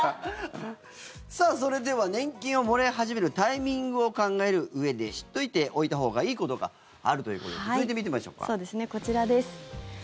さあ、それでは年金をもらい始めるタイミングを考えるうえで知っておいたほうがいいことがあるということでそうですね、こちらです。